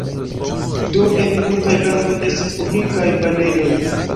Do en multaj landoj estis publikaj banejoj.